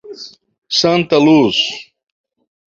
Santaluz